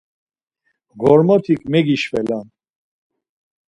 Ğormotik megişvelan.